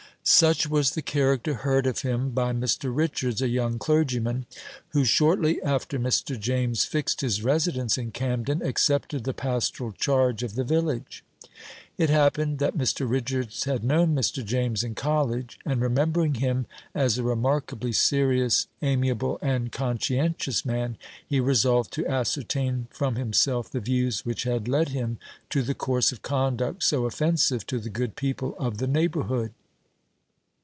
Such was the character heard of him by Mr. Richards, a young clergyman, who, shortly after Mr. James fixed his residence in Camden, accepted the pastoral charge of the village. It happened that Mr. Richards had known Mr. James in college, and, remembering him as a remarkably serious, amiable, and conscientious man, he resolved to ascertain from himself the views which had led him to the course of conduct so offensive to the good people of the neighborhood.